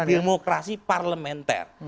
tapi di demokrasi parlementer